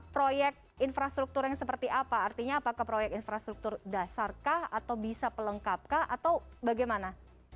proyek infrastruktur yang seperti apa artinya apakah proyek infrastruktur dasarkah atau bisa pelengkapkah atau bagaimana